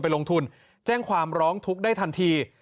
ลงทุนแจ้งความร้องทุกข์ได้ทันที